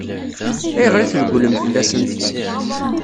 Ayɣer i tregglem fell-asent?